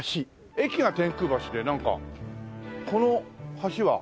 駅が天空橋でなんかこの橋は天空橋と。